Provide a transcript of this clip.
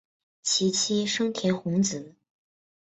其妻笙田弘子。